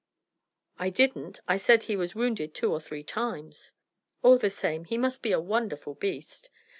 "I didn't. I said he was wounded two or three times." "All the same. He must be a wonderful beast.